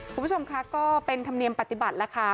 คุณผู้ชมค่ะก็เป็นธรรมเนียมปฏิบัติแล้วค่ะ